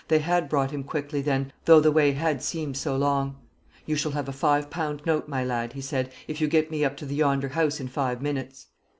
They had brought him quickly, then, though the way had seemed so long. "You shall have a five pound note, my lad," he said, "if you get me up to yonder house in five minutes."